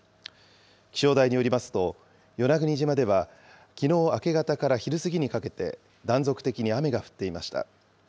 気象台によりますと、与那国島ではきのう明け方から昼過ぎにかけて、断続的に雨が降っていました。